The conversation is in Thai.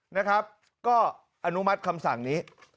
นะครับก็อนุมัติคำสั่งนี้